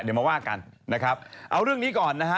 เอาเรื่องนี้ก่อนเนี่ยนะ